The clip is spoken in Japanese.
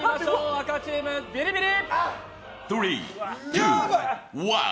赤チーム、ビリビリ！